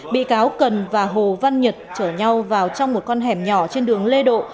hai nghìn một mươi bảy bị cáo cần và hồ văn nhật chở nhau vào trong một con hẻm nhỏ trên đường lê độ